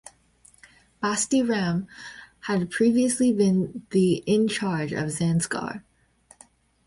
Basti Ram had previously been the in charge of Zanskar.